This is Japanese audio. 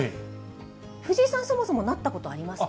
藤井さん、そもそもなったことありますか？